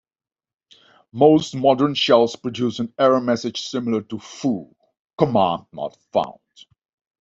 Most modern shells produce an error message similar to "foo: command not found".